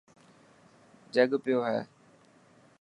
جڳ پيو هي.